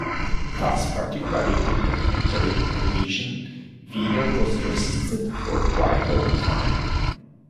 Thus, particularly in documentary television, video was resisted for quite a long time.